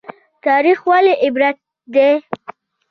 تاریخ ولې عبرت دی؟